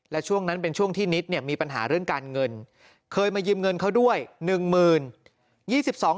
และช่วงนั้นเป็นช่วงที่นิดเนี่ยมีปัญหาเรื่องการเงินเคยมายืมเงินเขาด้วย